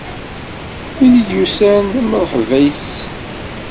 Win i d-yusan, mreḥba yess.